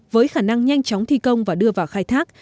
với khả năng nhanh chóng thi công và đưa vào khai thác